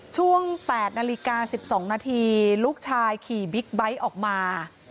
ช่วง๘นาฬิกา๑๒นาทีลูกชายขี่บิ๊กไบท์ออกมา